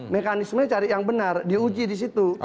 mekanismenya cari yang benar diuji di situ